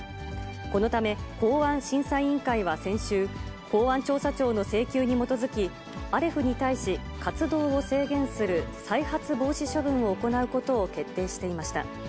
このため、公安審査委員会は先週、公安調査庁の請求に基づき、アレフに対し、活動を制限する再発防止処分を行うことを決定していました。